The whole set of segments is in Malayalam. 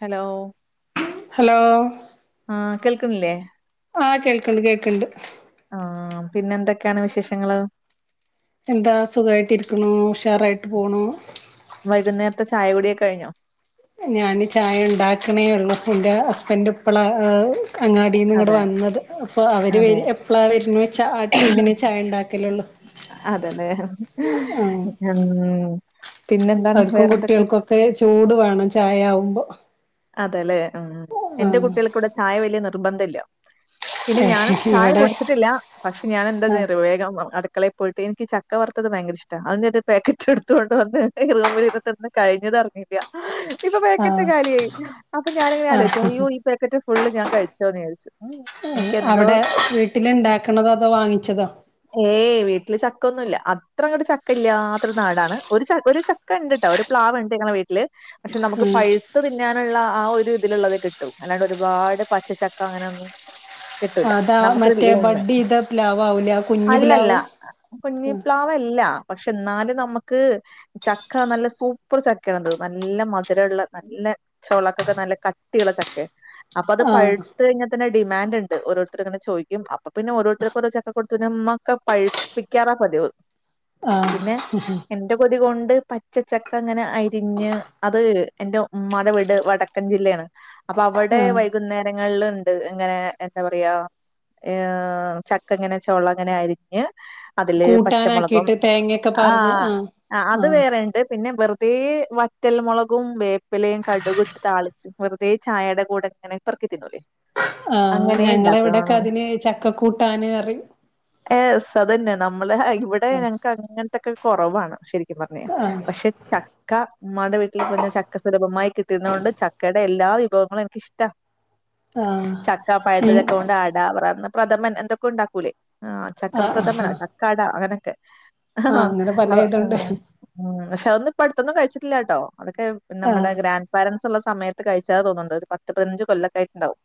ഹലോ ഹലോ ആഹ് കേൾക്കുന്നില്ലേ ആഹ് കേക്കണ്ട് കേക്കണ്ട് ആഹ് പിന്നെ എന്തൊക്കെയാണ് വിശേഷങ്ങള്? എന്താ സുഖായിട്ട് ഇരിക്കണു ഉഷാറായിട്ട് പോണു വൈകുന്നേരത്തെ ചായ കുടിയൊക്കെ കഴിഞ്ഞോ ഞാന് ചായ ഇണ്ടാക്കണേ ഉള്ളൂ ഇന്റെ ഹസ്ബൻഡ് ഇപ്പളാ ഏഹ് അങ്ങാടീന്ന് ഇങ്ങട് അതെ വന്നത് അപ്പൊ അവര് അതെ വെര് എപ്പളാ വെര്ണേച്ചാ ആ ടൈമിന് ചായ ഇണ്ടാക്കലുള്ളു അതെല്ലേ ഉം പിന്നെ എന്താണ് വേറെന്തൊക്കെ? റെ ചൂട് വേണം ചായ ആവുമ്പോ അതെല്ലെ ഉം ഉം എന്റെ ആഹ് കുട്ടികൾക്ക് ഇവിടെ ചായ വല്യ നിർബന്ധല്ല പിന്നെ ഞാനും ചായ ഇവിടെ കുടിച്ചിട്ടില്ലാ പക്ഷെ ഞാൻ ആഹ് എന്താന്നറിയോ വേഗം അട ക്കളെ പോയിട്ട് എനിക്ക് ചക്ക വറുത്തത് ഭയങ്കര ഇഷ്ട്ടാ അതീന്ന് ഒരു പാക്കറ്റ് എടുത്ത് കൊണ്ട് വന്ന് റൂമിലിര് തിന്ന് കഴിഞ്ഞതറിഞ്ഞില്ലാ ഇപ്പൊ പേക്കറ്റ് ആഹ് കാലിയായി അപ്പൊ ഞാനിങ്ങനെ ആലോചിച്ച് ആഹ് അയ്യോ ഈ പാക്കറ്റ് ഫുള്ള് ഞാൻ കഴിച്ചോന്ന് വിചാരിച്ചു ഉം എനിക്കെന്തോ വീട്ടില് ഇണ്ടാക്കണതോ അതോ വാങ്ങിച്ചതോ ഏയ് വീട്ടില് ചക്കൊന്നൂല്ല അത്രങ്ങട് ചക്ക ഇല്ലാത്തൊരു നാടാണ് ഒരു ച ഒരു ചക് ക്കണ്ട്ട്ടാ ഒരു പ്ലാവ് ഇണ്ട് ഞങ്ങളെ വീട്ടില് പക്ഷെ നമുക്ക് ഉം പഴ് ത്ത് തിന്നാനുള്ള ആ ഒരു ഇതിലുള്ളതെ കിട്ടും അല്ലാണ്ട് ഒരുപാട് പച്ചച്ചക്ക അങ്ങനൊന്നും അതാ മറ്റേ ബഡെയ്‌ത പ്ലാവാവൂലേ അ അല്ലല്ല കുഞ്ഞിപ്ലാവല്ലാ പക്ഷെ എന്നാലും നമ്മക്ക് ചക്ക നല്ല സൂപ്പർ ചക്കയാണത് നല്ല മധുരള്ള നല്ല ചൊളക്കൊക്കെ നല്ല കട്ടിയുള്ള ചക്കയാ അപ്പൊ അത് ആഹ് പഴുത്ത് കഴിഞ്ഞാ തന്നെ അത് ഡിമാൻഡ്ണ്ട് ഓരോരുത്തര്ങ്ങനെ ചോദിക്കും അപ്പ പിന്നെ ഓരോരുത്തർക്ക് ഓരോ ചക്ക കൊടു പിന്നെ ഉമ്മ ഒക്കെ പഴിപ്പിക്കാറാ പതിവ് ആഹ് പിന്നെ എന്റെ ഉപ് കൊതി കൊണ്ട് പച്ചചക്ക ഇങ്ങനെ അരിഞ്ഞ് അത് എന്റെ ഉമ്മാടെ വീട് വടക്കൻ ജില്ലയാണ് അപ്പൊ അവടെ വയ് ആഹ് വൈകുന്നേരങ്ങളില്ണ്ട് ഇങ്ങനെ എന്താ പറയാ ഏഹ് ചക്ക ഇങ്ങനെ ചൊള ഇങ്ങനെ അരിഞ്ഞ് അതില് പച്ചമൊളകും കൂട്ടാനാക്കിട്ട് തേങ്ങൊക്കെ പാർന്ന് ആഹ് അത് ആഹ് വേറെ ഇണ്ട് പിന്നെ വെറ് തേ വറ്റൽമുളകും വേപ്പിലയും കടുകുട്ട് താളിച്ച് വെറുതെ ചായേടെ കൂടെ ഇങ്ങനെ പെറുക്കി തിന്നൂല്ലേ? ആഹ് ഞങ്ങളെവിടെയൊക്കെ അതിന് ചക്ക കൂട്ടാന് പറിം എ സ അതന്നെ നമ്മള് ഇവിടെ ഞങ്ങക്ക് അങ്ങൻത്തൊക്കെ കൊറവാണ് ശരി സത്യം പറഞ്ഞയിഞ്ഞാ ആഹ് പക്ഷെ ചക് ചക്ക ഉമ്മാടെ വീട്ടില് പോയി [unintelligible] ചക്ക സുലഭമായി കിട്ടുന്നത് കൊണ്ട് ചക്കയുടെ എല്ലാ വിഭവങ്ങളും എനിക്കിഷ്ട്ടാ ആഹ് ചക്കാ ഉം പഴുത്തചക്ക കൊണ്ട് അട പറ പ്രഥമൻ എന്തൊക്കോ ഉണ്ടാക്കൂലേ? ആഹ് ആഹ് ആഹ് ചക്കപ്രഥമനോ ചക്ക അടാ അങ്ങനൊക്കെ അങ്ങനെ പല ആഹ് ഇതുണ്ട് ഉം പക്ഷെ അതൊന്നും ഇപ്പ അടുത്തൊന്നും കഴിച്ചിട്ടില്ലാട്ടോ അതൊക്കെ നമ്മുടെ ആഹ് ഗ്രാൻഡ് പാരൻസ് ഉള്ള സമയത്ത് കഴിച്ചാതന്ന് തോന്നുണ്ട് ഒരു പത്ത് പതിനഞ്ച് കൊല്ലെക്കായിട്ടുണ്ടാവും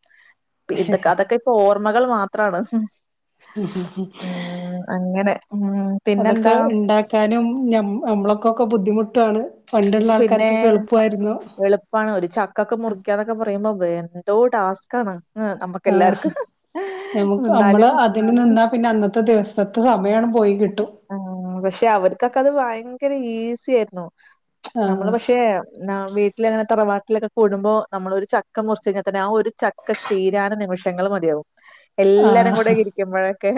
പി ഇത അതൊക്കെ. ഓർമ്മകൾ മാത്രാണ് ഉം ഉം ഉം ഉം അങ്ങനെ ഉം- അതൊക്കെ പിന്നെന്താ ഉണ്ടാക്കാനും നമ്മളക്കൊക്കെ ബുദ്ധിമുട്ടാണ്. പണ്ടുള്ള ആൾക്കാർക്കൊക്കെ എളുപ്പമായിരുന്നു പ്പണ് ഒരു ചക്കൊക്കെ മുറിക്കന്നൊക്കെ പറയുമ്പോ എന്തോ ടാസ്കാണ് നമ്മുക്ക് ആഹ് എല്ലാർക്കും നമുക്ക് നമ്മള് അതിന് നിന്നാ പിന്നെ അന്നത്തെ ദിവസത്തെ സമയമാണ് പോയി കിട്ടും. ആഹ് പക്ഷെ അവർക്കൊക്കെ അത് ഭയങ്കര ഈസി ആയിരുന്നു. നമ്മള് ആഹ് പക്ഷേ ന വീ വീട്ടില അങ്ങനെ തറവാട്ടിലൊക്കെ കൂടുമ്പോൾ നമ്മൾ ഒരു ചക്ക മുറച്ച് കഴിഞ്ഞാൽ തന്നെ ആ ഒരു ചക്ക തീരാനും നിമിഷങ്ങൾ മതിയാവും. എല്ലരും കൂടെ ആഹ് ഇരിക്കുമ്പോഴൊക്കെ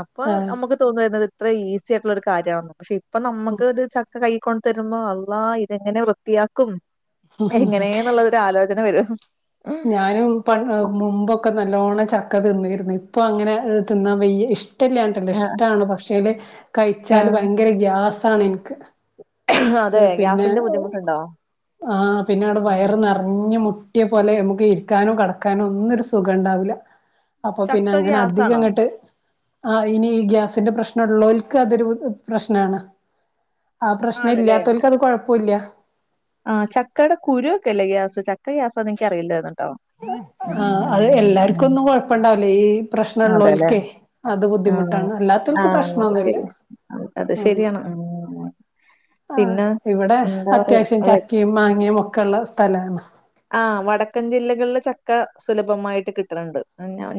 അപ്പൊ ആഹ് നമുക്ക്. തോന്നും ഇത് ഇത്ര ഈസി ആയിട്ടുള്ള ഒരു കാര്യമാണ പക്ഷെ ഇപ്പൊ നമുക്ക് ഒരു ചക്ക കൈ കൊണ്ട് തരുമ്പോൾ അ ള്ളാ ഇതെങ്ങനെ വൃത്തിയാക്കും എങ്ങനെന്നുള്ളതൊരു ആലോചന വരും ഞാനും പ മുമ്പൊക്കെ നല്ലോണ്ണം ചക്ക തിന്നരുന്നു ഇപ്പൊ അങ്ങനെ തിന്നാൻ വയ്യേ ഇഷ്ട്ടല്ലാണ്ടല്ല ആഹ് ഇഷ്ടമാണ് പക്ഷേല് കഴിച്ചാല് ആഹ് ഭയങ്കര ഗ്യാസാണ് ഇൻക്ക് അതെ പിന്നെ ഗ്യാസിന്റെ ബുദ്ധിമുട്ടുണ്ടോ ആ പിന്നെ അവിടെ ഉം. വയറ് നിറ ഞ്ഞ് മുട്ടിയ പോലെ നമുക്ക് ഇരിക്കാനോ കെടക്കാനോ ഒന്നും ഒരു സുഖം ഉണ്ടാവില്ല. അപ്പൊ പിന്നെ ചക്ക അങ്ങനെ അധികം ഗ്യാസാണോ അങ്ങട്ട്.. ആഹ് ഇനി ഗ്യാസിന്റെ പ്രശ്നം ഉള്ളോർക്ക് അതൊരു പ്രശ്നണ് ആ പ്രശ്നം ആണല്ലേ ഇല്ലാത്തവർക്ക് അത് കൊഴപ്പൊയില്ല ആഹ് ചക്കയുടെ കുരു ഒക്കെ അല്ലേ ഗ്യാസ് ചക്ക ഗ്യാസാ ന്ന് എനിക്ക അറിയില്ലായിരുന്നു ട്ടോ ഉം ആ അത് ഉം, എല്ലാർക്കും ഉം. ഒന്നും കൊഴപ്പ ഇണ്ടാവില്ലേ ഈ അതെല്ലേ? പ്രശ്നള്ളോൽക്കേ, അത് ആഹ്. ബുദ്ധിമുട്ടാണ് അല്ലാത്തർക് ആഹ് അത് പ്രശ്നൊന്നുല്ല ശെരിയാ. അത് ഉം.. ശെരിയാണ്. ഉം ആഹ് പിന്നെ ഇവിടെ എന്താ അത്യാവശ്യം പറയാ ചക്കയും മാങ്ങയും ഒക്കെ ഉള്ള സ്ഥലാണ്. ആഹ് വടക്കൻ ജില്ലകളില് ചക്ക സുലഭമായിട്ട് കിട്ടുന്നുണ്ട്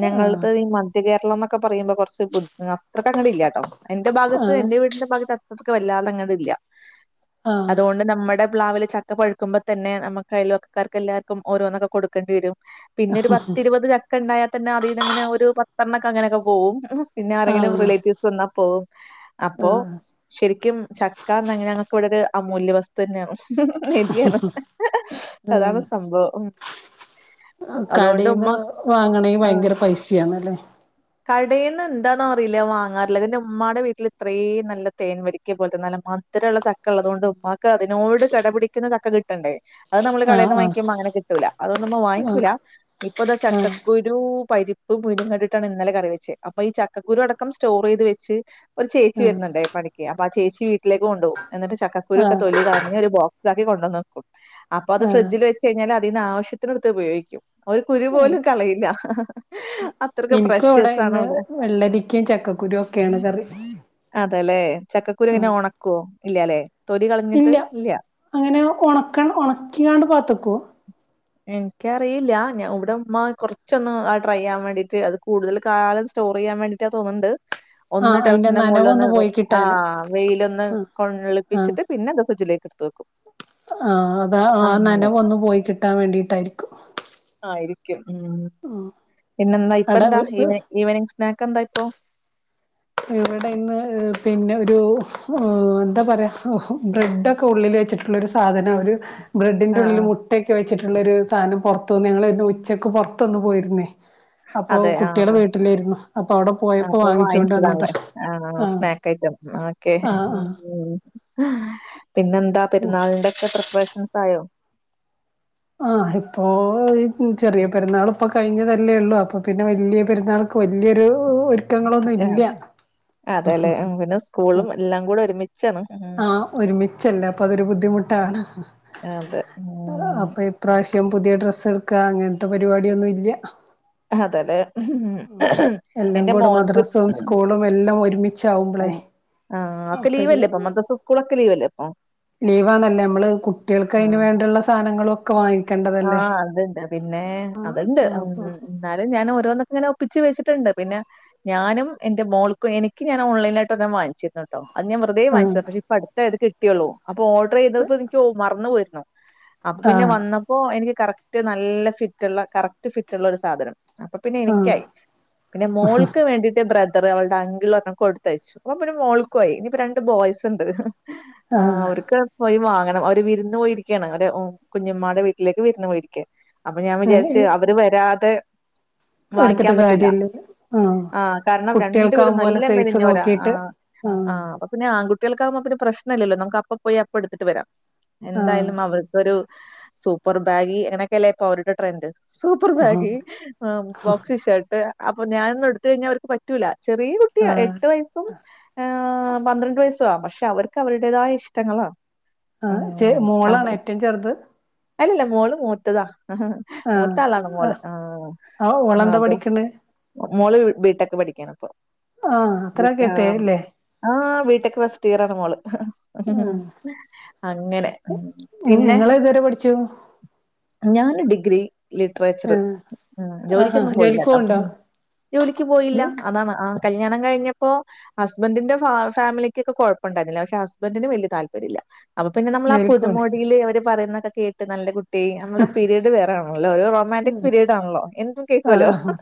ഞങ്ങള്ത്തീ.. മധ്യ കേരളം എന്നൊക്കെ പറയ്മ്പോ കൊർച് ബു അത്രക്ക അങ്ങടില്ല കേട്ടോ എന്റെ ഭാഗത്ത് ആഹ് എന്റെ വീടിന്റെ ഭാഗത്ത്.. നമുക്ക് വല്ലാതങ്ങ് ഇല്ല ആഹ് അതുകൊണ്ട് നമ്മടെ.. പ്ലവില് ചക്ക പഴ്ക്കുമ്പോ തന്നെ നമുക്ക് അയൽവക്കക്കാർക്ക് എല്ലാർക്കും ഓരോന്നൊക്കെ കൊടുക്കേണ്ടി വരും. പിന്നെ ഒരു പത്തിരുപത് ചക്ക ഉണ്ടായാൽ തന്നെ അതിൽന്ന് അങ്ങനെ ഒരു പത്തെണ്ണക്കെ അങ്ങനെയൊക്കെ പോവും, പിന്നെ ആരെങ്കിലും ആഹ് റിലേറ്റീവ്സ് വന്നാ പോവും അപ്പോ. ആഹ് ശരിക്കും ചക്കാന്ന് അങ്ങനെ ഞങ്ങക്ക് ഇവിടെ ഒരു അമൂല്യ വസ്തു തന്നെയാണ്. നിതിയാണ്.. ആഹ് അതുകൊണ്ട് കടേന്ന് ഉമ്മ വാങ്ങണെങ്കിൽ ആഹ് ഭയങ്കര.. പൈസ ആണല്ലേ കടേന്ന് എന്താന്നറിയില്ല വാങ്ങാറില്ല അന്റെ ഉമ്മാടെ വീട്ടിൽ ഇത്രയും നല്ല തേൻ വരിക്ക ക്കേ പോലെത്തെ നല്ല മധുരള്ള ചക്ക ഉള്ളതുകൊണ്ട് ഉമ്മാക്ക് അതിനോട് കെടപിടിക്കുന്ന ചക്ക കിട്ടണ്ടേ അത് നമ്മള് ആഹ് കടയേന്ന് ആഹ് വാങ്ങിക്കുമ്പോ അങ്ങനെ കിട്ടൂല്ല അതുകൊണ്ട് നമ്മ ആഹ് വാങ്ങിക്കൂല്ല ഇപ്പ ദാ ചക്ക ആഹ് കുരു പരിപ്പ് മുതിരേ കണ്ടിട്ടാണ് ഇന്നലെ കറി വെച്ചേ അപ്പൊ ഈ ചക്കക്കുരു അടക്കം സ്റ്റോർ ചെയ്ത് വെച്ച്. ഒരു ചേച്ചി ആഹ് വരുന്നുണ്ടേ പണിക്ക് അപ്പ ആ ചേച്ചി വീട്ടിലേക്ക് കൊണ്ടോവും എന്നി്ട്ട് ചക്കക്കുരു ഒക്കെ ആഹ് തൊലി കളഞ്ഞ് ഒരു ബോക്സ്. ഇതാക്കി കൊണ്ടുവന്ന്വെക്കും അപ്പൊ അത് ആഹ് ഫ്രിഡ്ജിൽ വെച്ച് കഴിഞ്ഞാൽ അതീന്ന് ആവശ്യത്തിനെടുത്ത് ഉപയോഗിക്കും ഒരു കുരു പോലും കളയില്ല. അത്രയ്ക്ക് ഇനിക്കും ഇവിടെ പ്രഷ്യസ് ആണ് ഇന്ന് അവിടെ വെള്ളരിക്കയും ചക്കക്കുരു ഒക്കെയാണ് കറി.. അതെല്ലെ ചക്കക്കുരു ഇങ്ങനെ ഒണക്വോ ഇല്ലാല്ലെ തൊല കളഞ്ഞിട്ട് ഇല്ല.. അങ്ങനെ ഉണക്ക ഉണക്കിക്കാണ്ട് പാത്തക്കോ? എനിക്കറിയില്ല ഞാൻ ഇവിടെമ്മ കുറച്ചൊന്ന് ആഹ ട്രൈ ആവാൻ വേണ്ടിട്ട് അത് കൂടുതൽ കാലം.. സ്റ്റോർ ചെയ്യാൻ വേണ്ടിയിട്ടാ തോന്നുണ്ട്, ഒന്ന് ആഹ് അയിന്റെ ടെറസിന്റെ മുകളിൽ നനവൊന്ന് ഒന്ന് പോയി കിട്ടാന് ആഹ വെയില ഒന്ന് കൊണ്ടളിപ്പിച്ചിട്ട്.. പിന്നെക്ക ഫ്രിജില്ലേക്കത്തോ.. ആഹ അതാ ആ നനവ ഒന്നു പോയി കിട്ടാൻ വേണ്ടിട്ടായിരിക്കും. ആയിരിക്കും ഉം പിന്നെന്താ ഇപ്പ അട എന്താ ഈവ ഈവനിങ് സ്നാക്ക് എന്താ ഇപ്പൊ ഇവരുടെന്ന് പിന്നെ ഒരു എന്താ പറയുക ബ്രെഡ്ക്കെ ഉള്ളിൽ വെച്ചിട്ടു ഒരു സാധനം ഒരു ആ ബ്രെഡിന്റെ ഉള്ളിൽ മു മുട്ട വച്ചട്ട് ഉള്ള സാധനം പുറത്തു നിങ്ങൾന്ന് ഉച്ചക്ക് പുറത്തുന്ന് പോയിരുന്നേ ആ അപ്പൊ അതെ ആ കുട്ടികള വീട്ടിലായിരുന്നു അപ്പൊ അവിടെ പോയപ്പോ വാങ്ങിച്ചോണ്ട വന്ന ആണോ സ്നക്ക് ഐറ്റം ഒക്കെ ആഹ് ആഹ് പിന്നെ എന്താ പെരുന്നാളിന്റെ ഒക്കെ പ്രിപ്പറേഷൻസ് ആയോ ആഹ ഇപ്പോ ചെറിയ പെരുന്നാൾ ഇപ്പൊ കഴിഞ്ഞതല്ലേ ഉള്ളൂ അപ്പൊ പിന്നെ വലിയ പെരുന്നാൾ വല്യ ഒരു ഒരുക്കങ്ങളൊന്നും ആ, ഇല്ല അതെല്ലേ ഉം, പിന്നെ സ്കൂളും എല്ലാം കൂടെ ഒരുമിച്ചാണ് ആഹ ഒരുമിച്ചല്ല അപ്പൊ അതൊരു ബുദ്ധിമുട്ടാണ് ആഹ അതെ പ്രാവശ്യം പുതിയ ഡ്രസ്സ് എടുക്കുക അങ്ങനത്തെ പരിപാടിയൊന്നും ഇല്ല അതെല്ലേ ഉം. എല്ലാം എന്റെ കൂടെ മോനക്ക് മദ്രാസവും സ്കൂളും എല്ലാം ഒരുമിച്ചാവുമ്പളെ ആഹ് ഒക്കെ ലീവല്ലേ ഇപ്പൊ മദ്രസ സ്കൂളൊക്കെ ലീവല്ലേ അപ്പൊ ലീവണല്ലേ നമ്മള് കുട്ടികൾക്ക് അതിനന് വേണ്ടിയുള്ള സാധനങ്ങള ഒക്കെ വാങ്ങിക്കേണ്ട ആഹ അതന്നെ പിന്നെ അതുണ്ട് ആഹ് ഉം അപ്പൊ എന്നാലും ഞാൻ ഓരോന്നൊക്കെ ഇങ്ങനെ ഒപ്പിച്ച് വെച്ചിട്ടുണ്ട് പിന്നെ ഞാനും എന്റെ മോൾക്കും എനിക്ക് ഞാ ഓലൈന ആയിട്ട വാങ്ങിച്ചിരുന്ന് കേട്ടോ അത് ഞാ [unintelligible] ആഹ് വാങ്ങിച്ചത് ഇപ്പോ അടുത്ത അത് കിട്ടിയുള്ള അപ്പ ഓർഡർ ചെയതതിപ്പോനിക്ക് മറന്നു പോയിരുന്നു അപ്പൊ പിന്നെ ആഹ് വന്നപ്പോ എനിക്ക് കറക്റ്റ് നല്ല ഫിറ്റ്ള്ള കറക്റ്റ് ഫിറ്റ്ള്ള ഒരു സാധനം അപ്പൊ പിന്നെ എനിക്കായി പിന്നെ മോൾക്ക് വേണ്ടിട്ട് ബ്ര ഇത്ര അവളുടെ അങ്കിൽ ഒ കൊടുത്തയച്ചു അപ്പ പിന്നെ മോൾക്ക് പോയി ഇനിയിപ്പോ രണ്ട് ബോയ്സ് ഉണ്ട് ആഹ ആഹ് അവർക്കവാങ്ങണം അവര് വിരുന്ന് പോയിരിക്കയാണ് അവ കുഞ്ഞ്മാടെ വീട്ടിൽ വീട്ടിലേക്ക് വരുന്നു പോയിരിക്ക അപ്പൊ ഞാൻ വിചാരിച്ച് ആഹ് അവര് വരാതെ എടുത്തിട്ട് കാര്യല്ലല്ല ആഹ കാരണം രണ്ടുപേരും നല്ല സൈസ് മെലിഞ്ഞോരാ നോക്കിട്ട് ആഹ ആഹ് ആഹ അപ്പം പിന്നെ ആൺകുട്ടികൾക്ക ആകുമ്പ പിന്നെ ആൺ കുട്ടിക് പ്രശ്നമല്ലല്ലോ നമുക്ക് അപ്പ പോയി അപ്പ എടുത്തിട്ട് വരാം ആഹ് എന്തായാലും അവർക്കൊരു സൂപ്പർ ബാഗി എങ്ങനൊക്കെയല്ലേ ഇപ്പൊ അവരുടെ ട്രെൻഡ് സൂപ്പർ ആഹ് ബാഗി ബോക്സി ഷർട്ട് അപ്പൊ ഞാനൊന്നും എടുത്ത കഴിഞ്ഞാ അവർക്ക് പറ്റൂല്ല ചെറിയ കുട്ടിയാ ആഹ് എട്ട് വയസും ആഹ പന്ത്രണ്ട് വയസ്സ ആഹ പക്ഷെ അവർക്ക് അവരുടേതായ ഇഷ്ടങ്ങളാ ആഹ ച ഉം മോളാണ് അതെ ഏറ്റവും ചെറുത് അല്ലല്ല മോള് മോത്തതാ ആഹ ആഹ് മുട്ടാലാണ് മോള് ആഹ് ആഹ ആഹ് ഓളെന്താ അത പഠിക്കണ് മോള് ബി ടെ ക്ക് പഠിക്കാണ് ഇപ്പൊ ആഹ് അത്രൊക്കെ പിന്ന എത്തിയല്ലേ ആഹ ബി ടെക്ക് ഫസ്റ്റ് ഇയറാണ് മോള് ഉം അങ്ങനെ പിന്നെ ഏത് വരെ പഠിച്ചു ഞാൻ ഡിഗ്രി ലിറ്ററേച്ചർ ആഹ് ഉ ആഹാ ജോലിക്കൊന്നും ജോലിക്ക് പോയില്ലട്ടോ പോവ്ണ്ടോ ജോലിക്ക് പോയില്ല ജോ അതാണ് ആ കല്യാണം കഴിഞ്ഞപ്പോ ഹസ്ബഡിന്റെ ഫാമിലിക്ക്ക്കെ കുഴപ്പമുണ്ടായിരുന്നില്ല പക്ഷെ ഹസ്ബന്റിന് വലിയ താല്പര്യല്ല അപ്പൊ പിന്നെ നമ്മള ആ ജോലിക്ക് പോണ് പുതുമോടിൽ അവര് പറയുന്നൊക്കെ കേട്ട് നല്ല നമ്മുടെ പീരീഡ് വേറെ ആണല്ലോ ഒരു റൊമാന്റിക് പീരീഡ് ആണല്ലോ എന്തും ആഹ് കേൾക്കോല്ലോ ആഹ്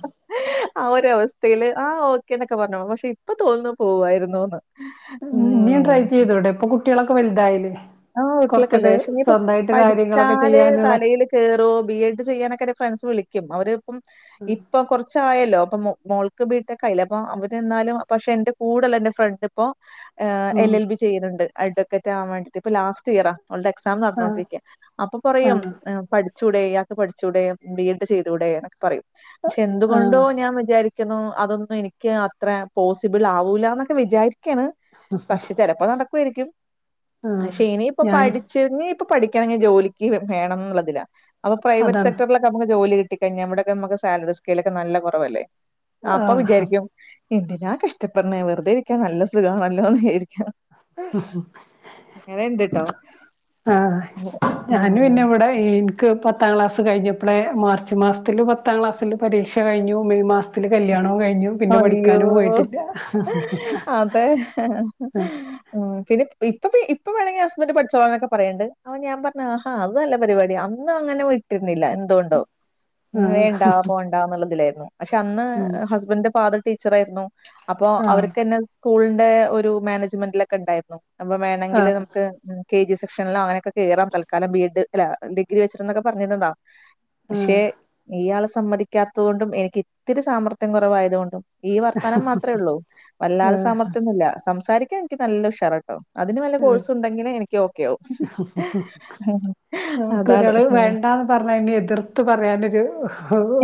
ആ ഒരവസ്ഥയില് ആ ഓക്കേ എന്നൊക്കെ പറഞ്ഞു പക്ഷെ ഇപ്പൊ തോന്നുന്നു പോവായിരുന്നുന്ന് ഇനി ഉം ട്രൈയ് ചെയ്തൂടെ ഇപ്പൊ കുട്ടിയാളൊക്കെ വലുതായിലെ ആഹ് വീട്ടിലൊക്കെ ഉള്ള പക്ഷെ ഇനീപ്പൊ കാര്യങ്ങളൊക്കെ പഠിച്ചാല് ചെയ്യാനുള്ള തലേൽ കേറോ ബി എഡ് ചെയ്യാനൊക്കെ ഫ്രണ്ട്സ് വിളിക്കും അവര്പ്പം ഇപ്പൊ കുറച്ച് കുറച്ചായല്ലോ അപ്പൊ മോൾക്ക് ബീ ടെക് ആയില്ലെ അപ്പൊ അവര് എന്നാലും പക്ഷെ എന്റെ കൂടെല്ല എൻറെ ഫ്രണ്ട് ഇപ്പോ ഉം എൽ എൽ ബി ചെയ്യ്ന്ന്ണ്ട് അഡ്വക്കേറ്റ് ആവാൻ വേണ്ടിയിട്ട്പ്പൊ ലാസ്റ്റ് ഇയറാ അവളുടെ എക്സാം ആഹ് നടന്നോണ്ടിരിക്ക അപ്പൊ പറയും ആഹ് ച്ചൂടെ അത് പഠിച്ചൂടെ ബി എഡ് ചെയ്തൂടെ എന്നെക്കെ പറയും പക്ഷെ എന്തുകൊണ്ടോ ആഹ് ഞാൻ വിചാരിക്ക ക്കുന്നു അതൊന്നും എനിക്ക് അത്ര പോസിബിൾ ആവൂല്ല എന്നൊക്കെ വിചാരിക്കാണ് പക്ഷെ ചെലപ്പോ നടക്കുമായിരിക്കും ആഹ് പക്ഷെ ഇനിയിപ്പൊ ഞാൻ പഠിച്ച ഇഞ്ഞി ഇപ്പം പഠിക്കണങ്കിൽ ജോലിക്ക് വേണംന്ന് ഇള്ളതിലാ അപ്പം പ്രൈവറ്റ് അതാണ് സെക്ടറി നമുക്ക് ജോലി കിട്ടി കഴിഞ്ഞ ഇവിടെയക്കെ നമുക്ക് സാലറി സ്കീലൊക്കെ നല്ല കുറവല്ലേ അപ്പൊ ആഹ് വിചാരിക്കും എന്തിനാ കഷ്ടപ്പെടനിണേ വെറുതെ ഇരിക്കാൻ നല്ലസുഖണല്ലോന്ന് വിചാരിക്കും [inaudible] അങ്ങനെ ഇണ്ട്ട്ടൊ ആഹ് ഞാനും പിന്നെ ഇവിടെ എനിക്ക് പത്താം ക്ലാസ്സ് കഴിഞ്ഞപ്പോഴേ മാർച്ച് മാസത്തിൽ പത്താം ക്ലാസ്സിൽ പരീക്ഷ കഴിഞ്ഞു മെയ് മാസത്തി ത്തില് കല്യാണവും കഴിഞ്ഞു പിന്നെ അയ്യോ പഠിക്കാനും പോയിട്ടില്ല അതെ പിന്നെ ഇപ്പൊ ഇപ്പൊ വേണെങ്കി ഹസ്ബന്റ് പഠിച്ചോളനൊക്കെ പറയണ്ണ്ട് അപ്പൊ ഞാൻ പറഞ്ഞു ആഹാ അത് നല്ല പരിപാടിയാ ഇന്നും അങ്ങനെ വിട്ടിരുന്നില്ല എന്തുകൊണ്ടോ ആഹ് വേണ്ടാ പോണ്ട ണ്ടന്നുള്ളതിലായിരുന്നു പക്ഷെ അന്ന് ഉം ഹസ്ബന്റ്റിന്റെ ഫാദറ് ടീച്ചർ ആയിരുന്നു അപ്പൊ ആഹ് അവർക്ക്ന്നെ സ്കൂളിന്റെ ഒരു മാനേജ്മെന്റിലൊക്കെ ഇ ണ്ടായിരുന്നു അപ്പൊ വേണമെങ്കില് ആഹ് നമുക്ക് കെ ജി സെക്ഷനിൽ അങ്ങനെക്കെ കയറാം തൽക്കാലം ബി എഡ് അല്ല ഡിഗ്രി വച്ചിട്ട്ന്നൊക്കെ പറഞ്ഞീന്നതാ ആഹ് പക്ഷെ ഇയാള് സമ്മതിക്കാത്തത് കൊണ്ടും എനിക്ക് ഇത്തിരി സാമർത്ഥ്യം കൊറവായത് കൊണ്ടും ഈ വർത്താനം മാത്രഉള്ളൂ വല്ലാതെ ആഹ് സമർത്തിയമോന്നുല്ല സംസാരിക്കാൻ എനിക്ക് നല്ല ഉഷാറാ അതിന് വല്ല കോഴ്സും ഉണ്ടെങ്കിന് എനിക്ക് ഓക്കെ ആകും അതാണ് പറഞ്ഞതിന് എതിർത്ത് പറയാനൊരു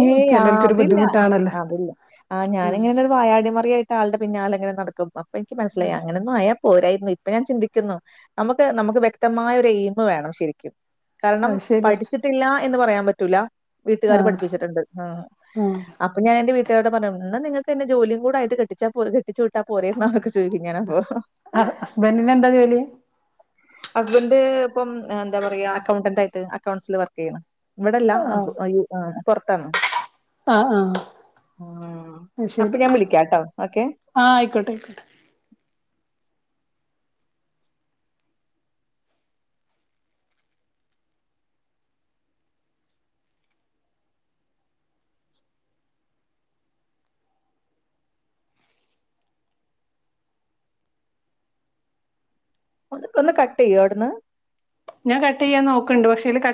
ഏയ് ആഹ് ചെലർക്കൊരു അതില്ല ബുദ്ധിമുട്ടാണല്ലോ അതില്ല ആ ഞാനിങ്ങനെ വായാടിമറിയായിട്ട് ആളുടെ പിന്നാലെ ഇങ്ങനെ നടക്കും അപ്പൊ എനിക്ക് മനസിലായി അങ്ങനെ ആയാ പോരായിരുന്നു ഇപ്പൊ ഞാൻ ചിന്തിക്കുന്നു നമുക്ക് നമുക്ക് വ്യക്തമായ ഒരു എയിമ് വേണം ശെരിക്കും കാരണം അത് ശരിയാ പഠിച്ചിട്ടില്ല എന്ന് പറയാൻ പറ്റൂല വീട്ടുകാര് ആഹ് പഠി പ്പിച്ചിട്ട്ണ്ട് അപ്പൊ ഞാൻ എന്റെ വീട്ടുകാരോട് പറഞ്ഞു ഇന്നാ നിങ്ങക്ക് എന്നെ ജോലിയും കൂടെ ആയിട്ട് കെട്ടിച്ചാ പോരെ കെട്ടിച്ച് വിട്ടാ പോരേന്നൊക്കെ ചൊയ്ക്കും ഞാനപ്പൊ ആഹ് ഹസ്ബൻഡിന് എന്താ ജോലി ഹസ്ബന്റ് ഇപ്പം എന്താ പറയാ അക്കൌണ്ടന്റ് ആയിട്ട് അക്കൗണ്ട്സിൽ വർക്ക് ചെയ്യ്ണ് ഇവിടെല്ല ആഹ് പൊറത്താണ് ആഹ് ആഹ് ആഹ് അത് അപ്പൊ ശരി ഞാൻ വിളിക്കാം കേട്ടോ ഓക്കെ ആഹ് ആയിക്കോട്ടെ ആയിക്കോട്ടെ ഒന്ന് കട്ട് ചെയ്യോ അവിട്ന്ന് ഞാൻ കട്ട് ചെയ്യാൻ നോക്ക്ണ്ട് പക്ഷെ അയില്